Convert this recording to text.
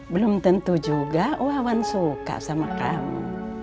belum tentu juga wawan suka sama kamu